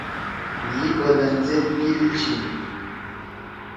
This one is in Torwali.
مھی بدن زید کیِل چھی۔